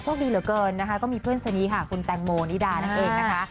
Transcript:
ดีเหลือเกินนะคะก็มีเพื่อนสนิทค่ะคุณแตงโมนิดานั่นเองนะคะ